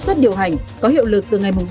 suất điều hành có hiệu lực từ ngày ba